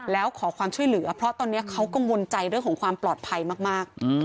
แล้วขอความช่วยเหลือเพราะตอนนี้เขากังวลใจเรื่องของความปลอดภัยมาก